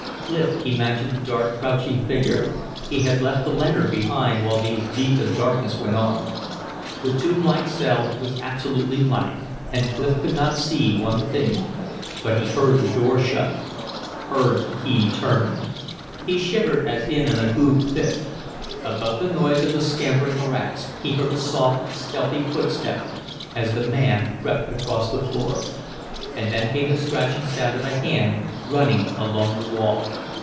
Clif imagined the dark, crouching figure. He had left the lantern behind while these deeds of darkness went on. The tomb like cell was absolutely black, and Clif could not see one thing. But he heard the door shut, heard the key turned. He shivered as in an ague fit. Above the noise of the scampering rats he heard a soft, stealthy footstep as the man crept across the floor. And then came the scratching sound of a hand running along the wall.